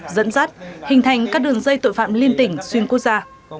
dẫn dắt hình thành các đường dây tội phạm liên tỉnh xuyên quốc gia